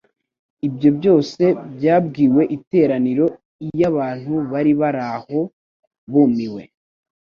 ibyo byose byabwiwe iteraniro iy'abantu bari baraho bumiwe.